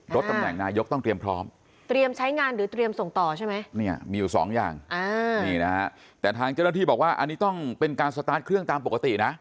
รถตำแหน่งนายกต้องเตรียมพร้อมมีอยู่๒อย่างแต่ทางเจ้าหน้าที่บอกว่าอันนี้ต้องเป็นการสตาร์ทเครื่องตามปกตินะ